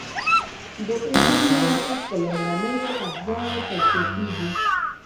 د اوبو مرکب په لومړنیو اجزاوو تجزیه کیږي.